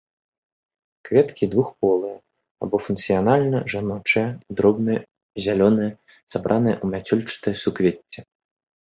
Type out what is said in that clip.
Кветкі двухполыя або функцыянальна жаночыя, дробныя, зялёныя, сабраныя ў мяцёлчатае суквецце.